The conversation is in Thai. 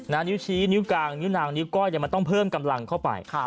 นิ้วชี้นิ้วกลางนิ้วนางนิ้วก้อยมันต้องเพิ่มกำลังเข้าไป